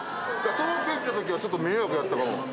東京行ったときは、ちょっと迷惑やった。